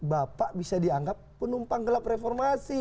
bapak bisa dianggap penumpang gelap reformasi